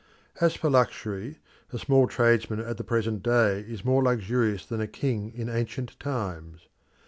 As for luxury, a small tradesman at the present day is more luxurious than a king in ancient times.